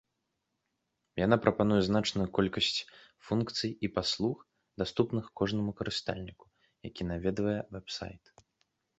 Яна прапануе значную колькасць функцый і паслуг, даступных кожнаму карыстальніку, які наведвае вэб-сайт.